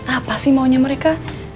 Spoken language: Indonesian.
apa sih maunya mereka